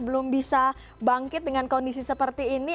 belum bisa bangkit dengan kondisi seperti ini